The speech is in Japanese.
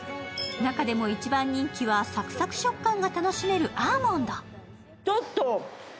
中でも一番人気はサクサク食感が楽しめるアーモンド。